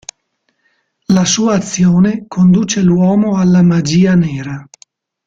La sua azione conduce l'uomo alla magia nera.